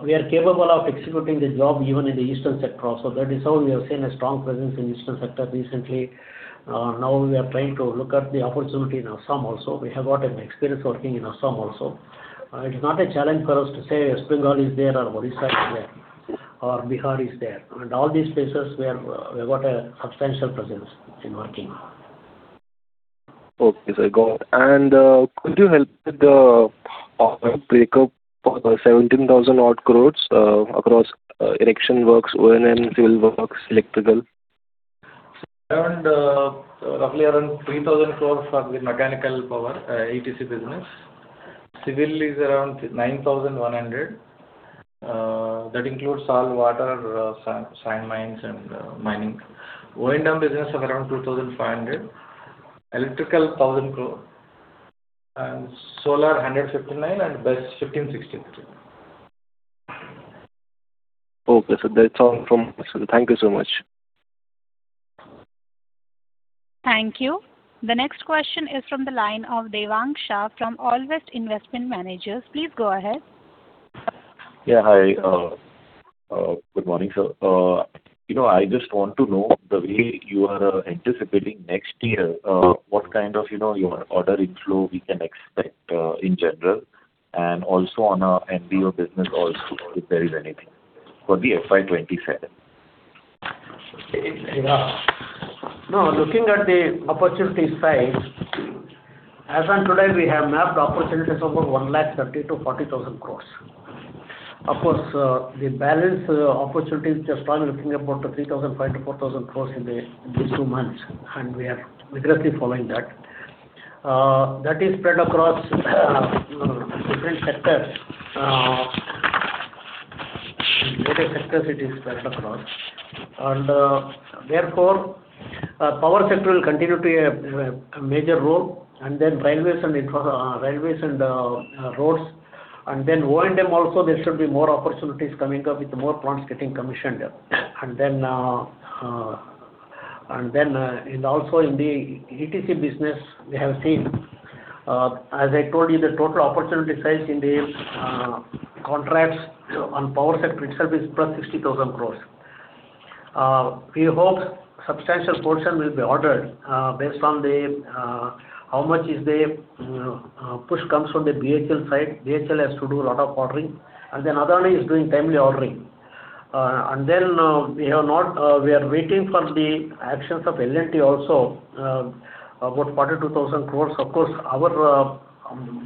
We are capable of executing the job even in the eastern sector also. That is how we have seen a strong presence in eastern sector recently. Now we are trying to look at the opportunity in Assam also. We have got an experience working in Assam also. It's not a challenge for us to say Singareni is there or Orissa is there, or Bihar is there. And all these places, we have, we've got a substantial presence in working. Okay, sir. Got it. And could you help with the power breakup for the 17,000-odd crore across erection works, O&M field works, electrical? Around, roughly around 3,000 crore are with Power Mech, ETC business. Civil is around 9,100 crore, that includes all water, sand mines and mining. O&M business of around 2,500 crore, electrical, 1,000 crore, and solar, 159 crore, and BESS, 1,560 crore. Okay, sir. That's all from me, sir. Thank you so much. Thank you. The next question is from the line of Devang Shah from Allwest Investment Managers. Please go ahead. Yeah, hi. Good morning, sir. You know, I just want to know the way you are anticipating next year, what kind of, you know, your order inflow we can expect, in general, and also on, NBO business also, if there is anything, for the FY 2027. Yeah. Now, looking at the opportunity side, as on today, we have mapped opportunities of about 130,000 crore-140,000 crore. Of course, the balance opportunities just starting about 3,500-4,000 crore in the, in these two months, and we are vigorously following that. That is spread across, different sectors, different sectors it is spread across. And, therefore, power sector will continue to a, a major role, and then railways and infra. Railways and, roads. And then O&M also, there should be more opportunities coming up with more plants getting commissioned. And then, and then, in also in the ETC business, we have seen, as I told you, the total opportunity size in the, contracts on power sector itself is +60,000 crore. We hope substantial portion will be ordered, based on the, how much is the, push comes from the BHEL side. BHEL has to do a lot of ordering, and then Adani is doing timely ordering. And then, we have not, we are waiting for the actions of L&T also, about 42,000 crore. Of course, our,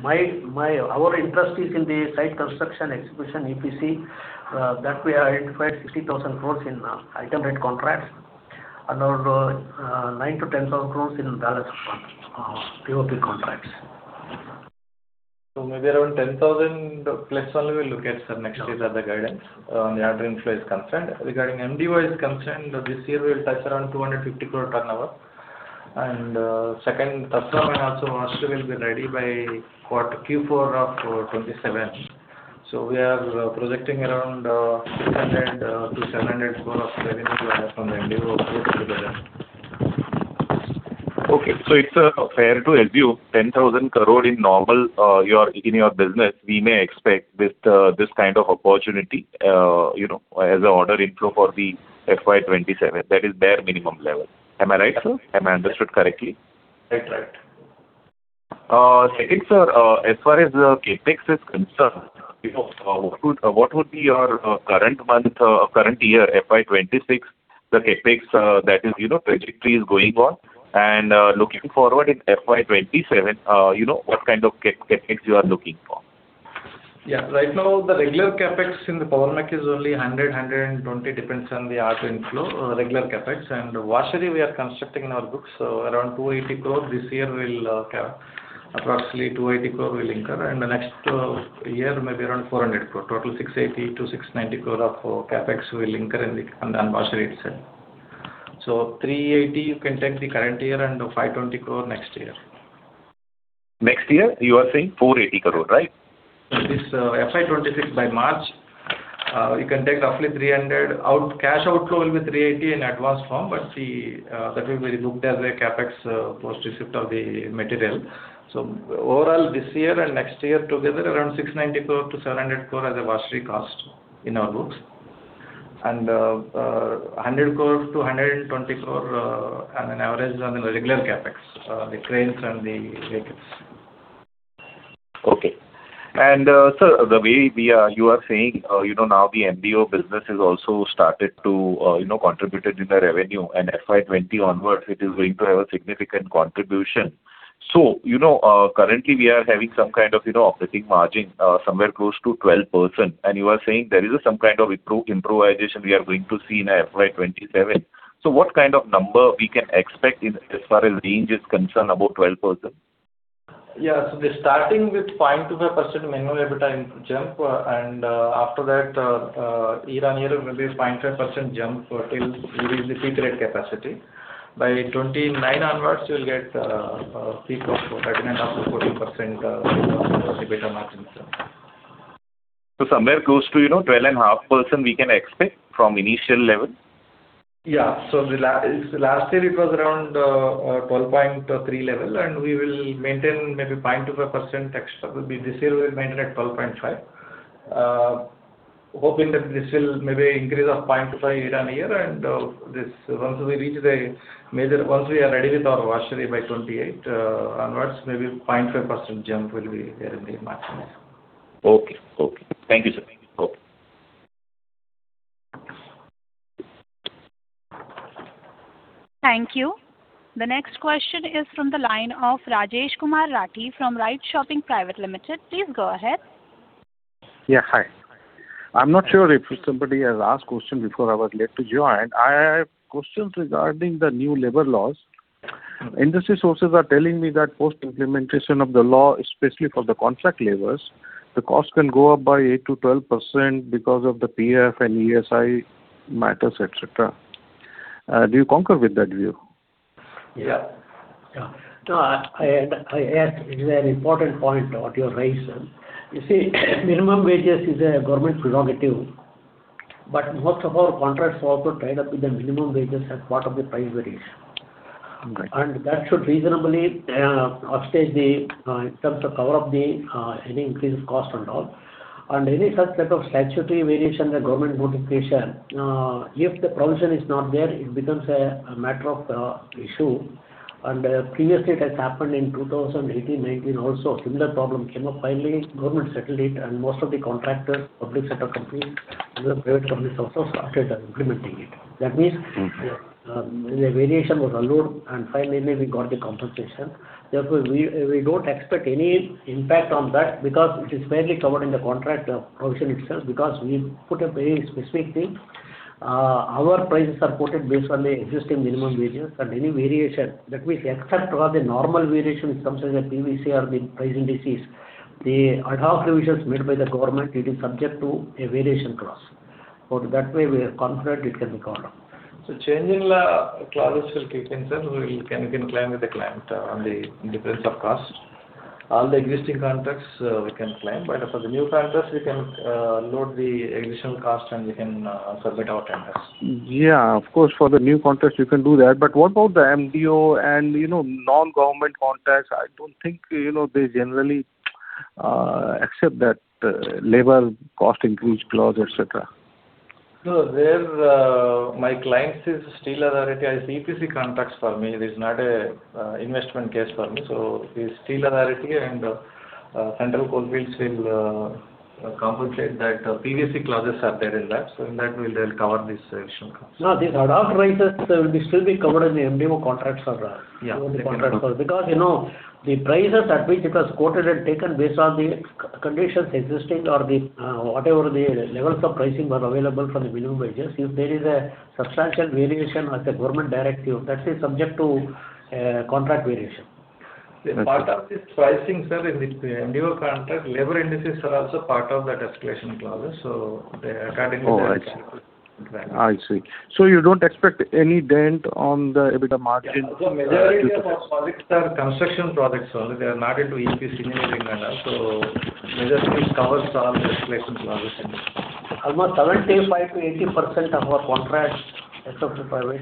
my, my, our interest is in the site construction execution, EPC. That we have identified 60,000 crore in, item rate contracts, and around, 9,000 crore-10,000 crore in various, BOP contracts. So maybe around 10,000+ crore only we will look at, sir, next year as a guidance on the order inflow is concerned. Regarding MDO is concerned, this year we'll touch around 250 crore turnover. And, second, Tasra and also washery will be ready by Q4 of 2027. So we are projecting around 600 crore-700 crore of revenue from the MDO group together. Okay. So it's fair to assume 10,000 crore in normal, your, in your business, we may expect this, this kind of opportunity, you know, as an order inflow for the FY 2027. That is bare minimum level. Am I right, sir? Am I understood correctly? Right. Right. Sir, sir, as far as the CapEx is concerned, you know, what would be your current month, current year, FY 2026, the CapEx, that is, you know, trajectory is going on, and, looking forward in FY 2027, you know, what kind of CapEx you are looking for? Yeah. Right now, the regular CapEx in Power Mech is only 100-120, depends on the order inflow, regular CapEx. And washery we are constructing in our books, so around 280 crore this year will cap. Approximately 280 crore will incur, and the next year, maybe around 400 crore. Total 680-690 crore of CapEx will incur in the, on the washery itself. So 380, you can take the current year and 520 crore next year. Next year, you are saying 480 crore, right? This, FY 2026 by March, you can take roughly 300 crore out, cash outflow will be 380 crore in advance form, but that will be booked as a CapEx, post receipt of the material. So overall, this year and next year together, around 690 crore-700 crore as a washery cost in our books. And, 100 crore-120 crore, on an average on the regular CapEx, the cranes and the vehicles. Okay. And, sir, the way we are, you are saying, you know, now the MDO business has also started to, you know, contributed in the revenue, and FY 2020 onwards, it is going to have a significant contribution. So, you know, currently we are having some kind of, you know, operating margin, somewhere close to 12%, and you are saying there is some kind of improvement we are going to see in FY 2027. So what kind of number we can expect in as far as range is concerned about 12%? Yeah. So we're starting with 0.25% marginal EBITDA jump, and after that, year-on-year will be 0.5% jump till we reach the peak rate capacity. By 2029 onwards, you will get peak of 13.5%-14% EBITDA margins. So somewhere close to, you know, 12.5%, we can expect from initial level? So last year it was around 12.3% level, and we will maintain maybe 0.25% extra. Maybe this year we will maintain at 12.5%. Hoping that this will maybe increase of 0.25% year-on-year, and once we are ready with our washery by 2028 onwards, maybe 0.5% jump will be there in the margin. Okay. Okay. Thank you, sir. Okay. Thank you. The next question is from the line of Rajesh Kumar Rathi from Right Shopping Private Limited. Please go ahead. Yeah, hi. I'm not sure if somebody has asked question before I was late to join. I have questions regarding the new labor laws. Industry sources are telling me that post-implementation of the law, especially for the contract labors, the cost can go up by 8%-12% because of the PF and ESI matters, et cetera. Do you concur with that view? Yeah. Yeah. No, it is an important point what you have raised, sir. You see, minimum wages is a government prerogative, but most of our contracts are also tied up with the minimum wages as part of the price variation. Right. And that should reasonably offset the increase in terms of covering up any increase of cost and all. Any such type of statutory variation, the government notification, if the provision is not there, it becomes a matter of issue. Previously, it has happened in 2018, 2019 also, similar problem came up. Finally, government settled it, and most of the contractors, public sector companies, and the private companies also started implementing it. That means. Mm-hmm. The variation was allowed, and finally, we got the compensation. Therefore, we, we don't expect any impact on that because it is fairly covered in the contract provision itself, because we put a very specific thing. Our prices are quoted based on the existing minimum wages and any variation. That means, except for the normal variation in terms of the PVC or the price indices, the ad hoc revisions made by the government, it is subject to a variation clause. For that way, we are confident it can be covered. So change in the clauses will kick in, sir. We can claim with the client on the difference of cost. All the existing contracts, we can claim, but for the new contracts, we can load the additional cost, and we can submit our tenders. Yeah, of course, for the new contracts, you can do that. But what about the MDO and, you know, non-government contracts? I don't think, you know, they generally accept that labor cost increase clause, et cetera. So there, my clients is Steel Authority. I see EPC contracts for me. It is not a investment case for me. So the Steel Authority and Central Coalfields will compensate that PVC clauses are there in that, so in that they'll cover this issue. No, these ad hoc prices, they will still be covered in the MDO contracts for the. Yeah. Because, you know, the prices at which it was quoted and taken based on the conditions existing or the whatever the levels of pricing were available for the minimum wages. If there is a substantial variation as a government directive, that is subject to contract variation. Part of this pricing, sir, in the MDO contract, labor indices are also part of that escalation clause, so they accordingly. Oh, I see. I see. So you don't expect any dent on the EBITDA margin? Yeah. So majority of our projects are construction projects, so they are not into EPC engineering and all. So majority covers all the escalation clauses. Almost 75%-80% of our contracts, BOP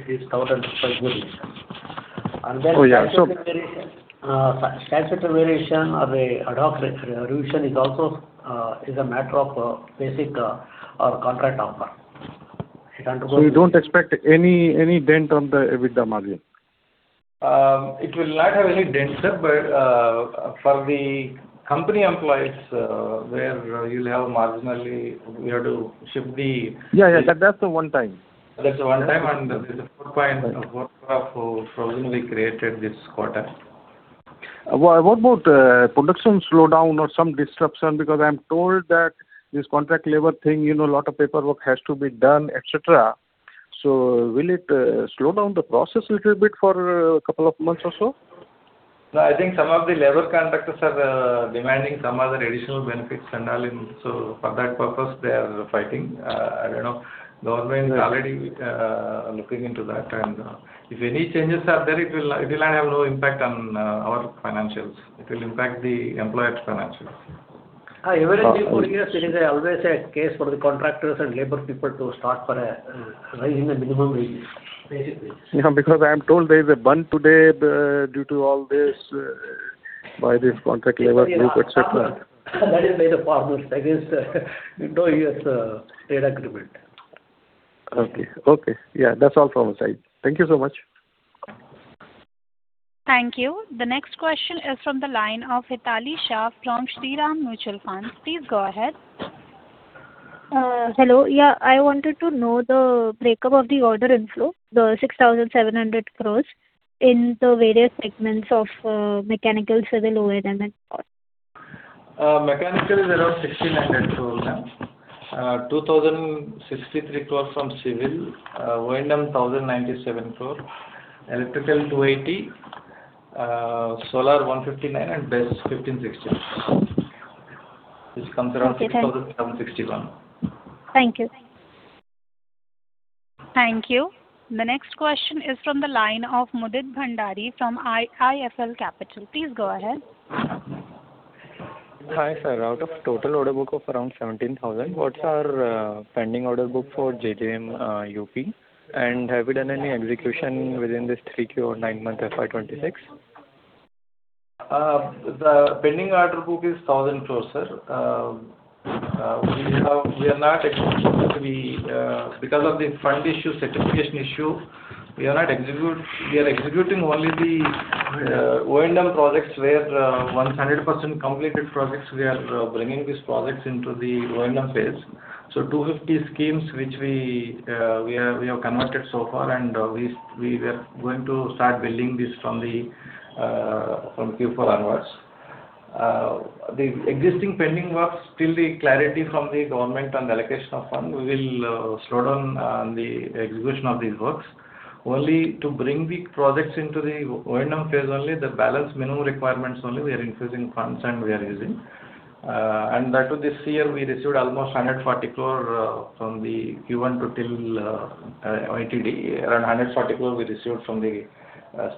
is covered by this. Oh, yeah. Then, variation or the adoption resolution is also a matter of basic or contract offer. So you don't expect any dent on the EBITDA margin? It will not have any dent, sir, but for the company employees, where you'll have marginally, we have to shift the. Yeah, yeah. That, that's a one time. That's a one-time, and there's a probably created this quarter. What about production slowdown or some disruption? Because I'm told that this contract labor thing, you know, a lot of paperwork has to be done, et cetera. So will it slow down the process a little bit for a couple of months or so? No, I think some of the labor contractors are demanding some other additional benefits and all in, so for that purpose, they are fighting. I don't know. Government is already looking into that, and if any changes are there, it will, it will not have no impact on our financials. It will impact the employer's financials. Every four years, there is always a case for the contractors and labor people to start for a rise in the minimum wage, basically. Yeah, because I am told there is a ban today, due to all this, by this contract labor group, et cetera. That is by the farmers against two years trade agreement. Okay. Okay. Yeah, that's all from my side. Thank you so much. Thank you. The next question is from the line of Itali Shah from Shriram Mutual Funds. Please go ahead. Hello. Yeah, I wanted to know the breakup of the order inflow, the 6,700 crore in the various segments of mechanical, civil, O&M and all? Mechanical is around INR 1,600 crore, ma'am. INR 2,063 crore from civil, O&M INR 1,097 crore, electrical INR 280 crore, solar INR 159 crore, and BESS INR 1,560 crore. This comes around INR 6,761 crore. Thank you. Thank you. The next question is from the line of Mudit Bhandari from IIFL Capital. Please go ahead. Hi, sir. Out of total order book of around 17,000 crore, what's our pending order book for JJM, UP? And have you done any execution within this 3Q or nine-month FY 2026? The pending order book is 1,000 crore, sir. We are not executing. We are executing only the O&M projects, where 100% completed projects, we are bringing these projects into the O&M phase. So 250 schemes, which we have converted so far, and we were going to start building this from Q4 onwards. The existing pending works, till the clarity from the government on the allocation of fund, we will slow down the execution of these works. Only to bring the projects into the O&M phase only, the balance minimum requirements only, we are increasing funds and we are using. And that to this year, we received almost 140 crore from the Q1 to till YTD. Around 140 crore we received from the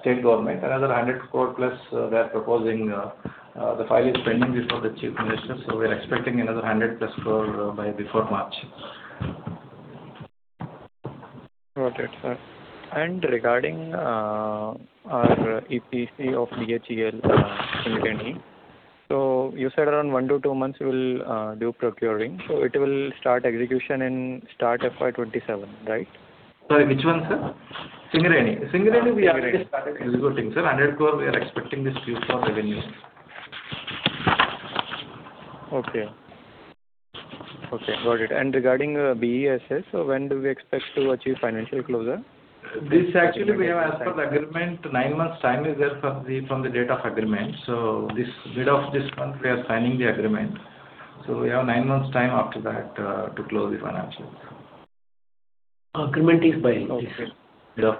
state government. Another 100+ crore, we are proposing, the file is pending before the Chief Minister, so we are expecting another 100+ crore by before March. Got it, sir. And regarding our EPC of BHEL, Singareni, so you said around one-two months you will do procuring, so it will start execution in start FY 2027, right? Sorry, which one, sir? Singareni. Singareni, we actually started executing, sir. INR 100 crore we are expecting this Q4 revenue. Okay. Okay, got it. And regarding BESS, so when do we expect to achieve financial closure? This actually we have as per the agreement, nine months' time is there from the date of agreement. So this, mid of this month, we are signing the agreement, so we have nine months' time after that to close the financials. Agreement is by. Okay. Mid of.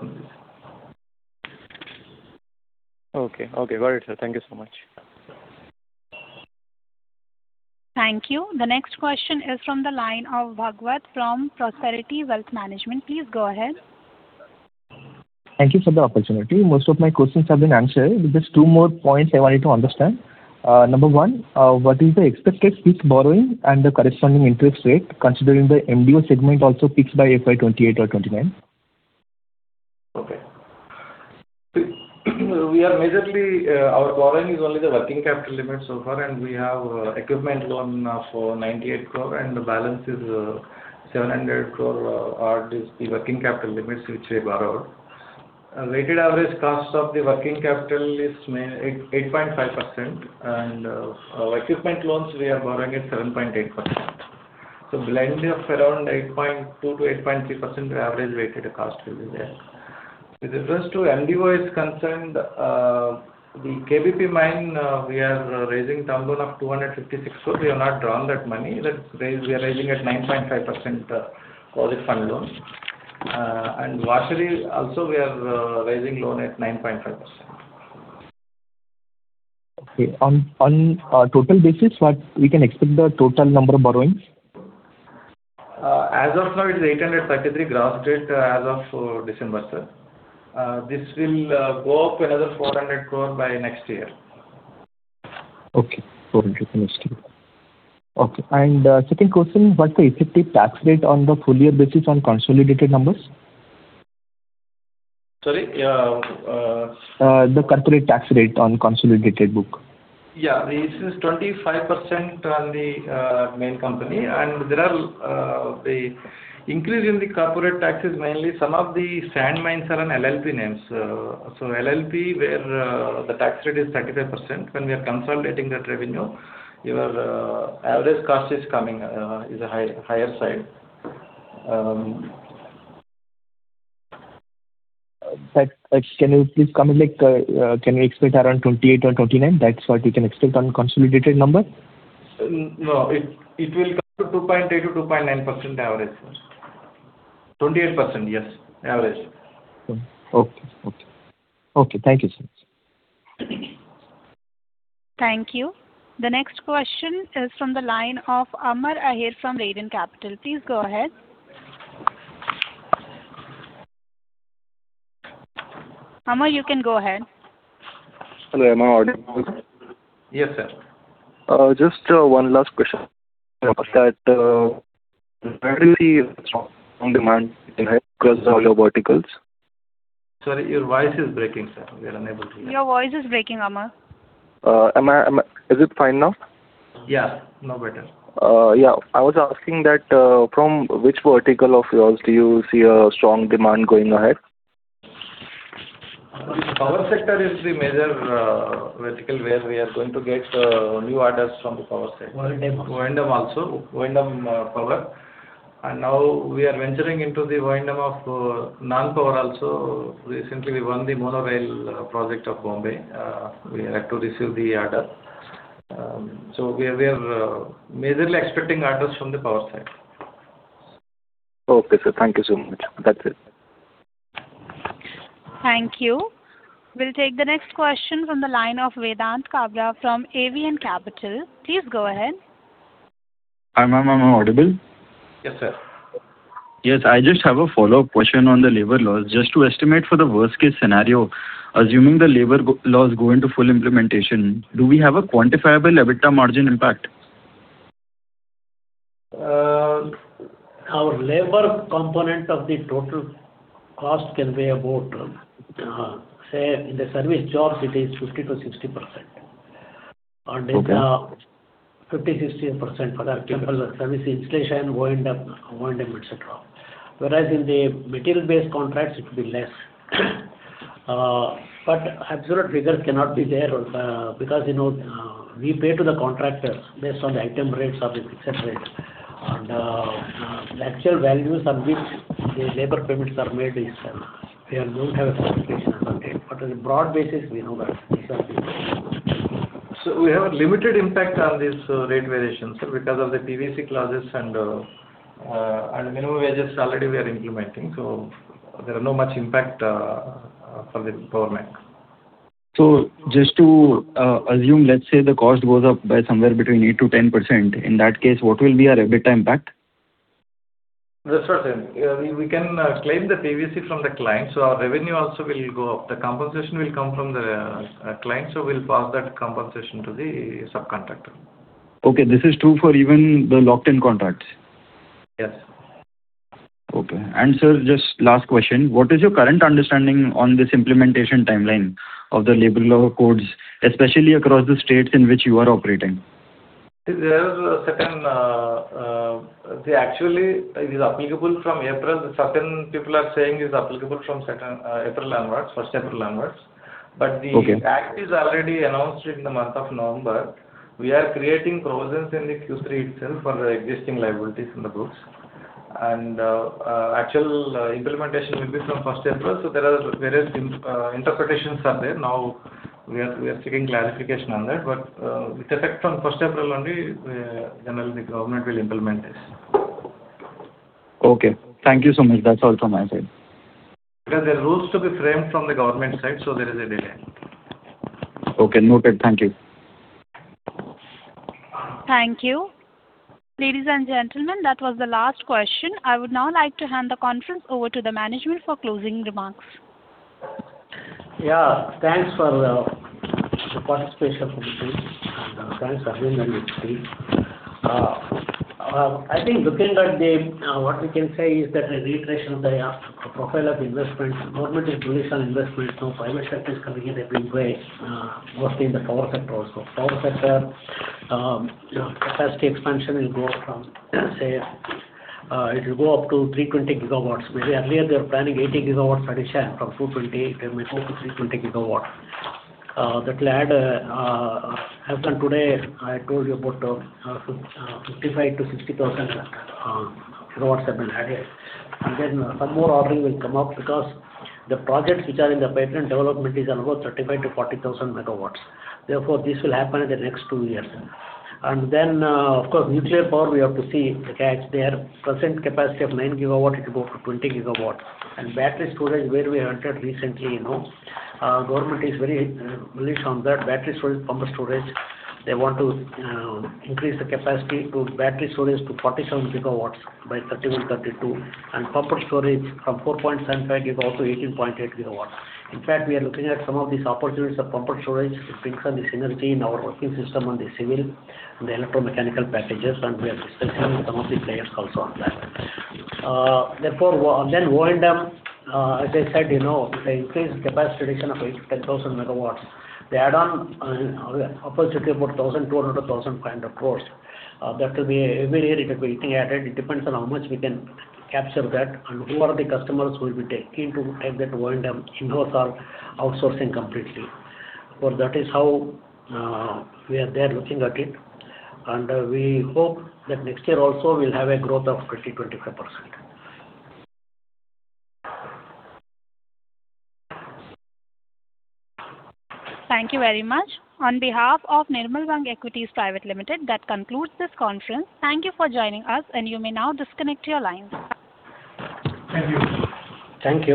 Okay, okay. Got it, sir. Thank you so much. Thank you. The next question is from the line of Bhagwat from Prosperity Wealth Management. Please go ahead. Thank you for the opportunity. Most of my questions have been answered. Just two more points I wanted to understand. Number one, what is the expected peak borrowing and the corresponding interest rate, considering the MDO segment also peaks by FY 2028 or FY 2029? Okay. We are majorly, our borrowing is only the working capital limit so far, and we have, equipment loan of 98 crore, and the balance is 700 crore are the working capital limits which we borrowed. Weighted average cost of the working capital is 8.5%, and our equipment loans, we are borrowing at 7.8%. So blend of around 8.2%-8.3%, the average weighted cost will be there. With reference to MDO is concerned, the KBP mine, we are raising term loan of 256 crore. We have not drawn that money. That raise, we are raising at 9.5%, policy fund loan. And washery also we are raising loan at 9.5%. Okay. On total basis, what we can expect the total number of borrowings? As of now, it is 833 crore gross debt as of December, sir. This will go up another 400 crore by next year. Okay. Thank you. Okay, and, second question, what's the effective tax rate on the full year basis on consolidated numbers? Sorry. The corporate tax rate on consolidated book. Yeah. This is 25% on the main company, and there are the increase in the corporate tax is mainly some of the sand mines are on LLP names. So LLP, where the tax rate is 35%, when we are consolidating that revenue, your average cost is coming is a high, higher side. Can you please comment, like, can we expect around 28% or 29%? That's what we can expect on consolidated number? No, it will come to 2.8%-2.9% average. 28%, yes, average. Okay. Okay. Okay, thank you, sir. Thank you. The next question is from the line of Amar Ahir from Radian Capital. Please go ahead. Amar, you can go ahead. Hello, am I audible? Yes, sir. Just one last question. That, where do you see strong demand in across all your verticals? Sorry, your voice is breaking, sir. We are unable to hear. Your voice is breaking, Amar. Is it fine now? Yeah, now better. Yeah. I was asking that, from which vertical of yours do you see a strong demand going ahead? Power sector is the major vertical, where we are going to get new orders from the power sector. Wind farm. Wind farm also, wind farm, power. And now we are venturing into the wind farm of non-power also. Recently, we won the monorail project of Bombay. We are yet to receive the order. So we are majorly expecting orders from the power side. Okay, sir. Thank you so much. That's it. Thank you. We'll take the next question from the line of Vedant Kabra from AVN Capital. Please go ahead. Hi, ma'am, am I audible? Yes, sir. Yes, I just have a follow-up question on the labor laws. Just to estimate for the worst-case scenario, assuming the labor laws go into full implementation, do we have a quantifiable EBITDA margin impact? Our labor component of the total cost can be about, say, in the service jobs, it is 50%-60%. Okay. 50%-60% for our people, service installation, wind farm, et cetera. Whereas in the material-based contracts, it will be less. But absolute figures cannot be there, because, you know, we pay to the contractors based on the item rates or the fixed rate, and, the actual values on which the labor payments are made is, we don't have a specification on it, but on a broad basis, we know that. We have a limited impact on these rate variations because of the PVC clauses and minimum wages already we are implementing, so there are no much impact from the government. So just to assume, let's say, the cost goes up by somewhere between 8%-10%, in that case, what will be our EBITDA impact? That's right, sir. We can claim the PVC from the client, so our revenue also will go up. The compensation will come from the client, so we'll pass that compensation to the subcontractor. Okay, this is true for even the locked-in contracts? Yes. Okay. And sir, just last question: What is your current understanding on this implementation timeline of the labor law codes, especially across the states in which you are operating? There are certain, they actually, it is applicable from April. Certain people are saying it is applicable from certain, April onwards, first April onwards. Okay. But the act is already announced in the month of November. We are creating provisions in the Q3 itself for the existing liabilities in the books, and actual implementation will be from first April, so there are various interpretations are there. Now, we are seeking clarification on that, but with effect from first April only, generally, the government will implement this. Okay. Thank you so much. That's all from my side. Because there are rules to be framed from the government side, so there is a delay. Okay, noted. Thank you. Thank you. Ladies and gentlemen, that was the last question. I would now like to hand the conference over to the management for closing remarks. Yeah. Thanks for the participation from you, and thanks again for your time. I think looking at the what we can say is that a reiteration of the profile of investments, government is bullish on investments, so private sector is coming in a big way, mostly in the power sector also. Power sector capacity expansion will go up from, say, it will go up to 320 GW. Maybe earlier, they were planning 80 GW addition from 220 GW, they may go to 320 GW. That will add, as on today, I told you about 55,000 MW-60,000 MW have been added. And then some more ordering will come up because the projects which are in the pipeline development is about 35,000 MW-40,000 MW. Therefore, this will happen in the next two years. And then, of course, nuclear power, we have to see because their present capacity of 9 GW, it will go up to 20 GW. And battery storage, where we entered recently, you know, government is very bullish on that. Battery storage, pump storage, they want to increase the capacity to battery storage to 47 GW by 2031, 2032, and pump storage from 4.75 GW to 18.8 GW. In fact, we are looking at some of these opportunities of pump storage. It brings on the synergy in our working system on the civil and the electromechanical packages, and we are discussing with some of the players also on that. Therefore, then wind farm, as I said, you know, the increased capacity addition of 8,000-10,000 MW. The add-on, approximately about 1,200, 1,500 crores. That will be, every year it will be adding added. It depends on how much we can capture that and who are the customers we'll be taking to have that wind farm in-house or outsourcing completely. But that is how, we are there looking at it, and, we hope that next year also we'll have a growth of 20%, 25%. Thank you very much. On behalf of Nirmal Bang Equities Private Limited, that concludes this conference. Thank you for joining us, and you may now disconnect your lines. Thank you. Thank you.